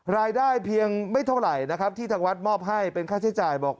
รายได้เพียงไม่เท่าไหร่นะครับที่ทางวัดมอบให้เป็นค่าใช้จ่ายบอก